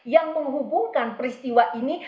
yang menghubungkan peristiwa ini